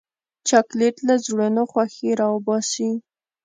چاکلېټ له زړونو خوښي راوباسي.